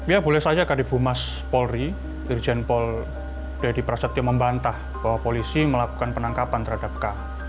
ya boleh saja kadif humas polri irjen pol dedy prasetyo membantah bahwa polisi melakukan penangkapan terhadap k